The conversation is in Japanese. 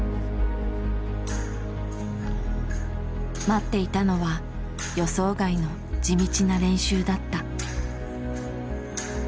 待っていたのは予想外の地道な練習だった。